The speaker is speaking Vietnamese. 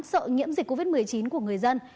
sợ nhiễm dịch covid một mươi chín của người dân